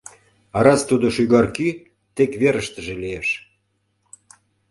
А раз тудо шӱгар кӱ тек верыштыже лиеш!